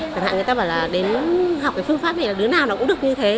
chẳng hạn người ta bảo là đến học cái phương pháp này là đứa nào nó cũng được như thế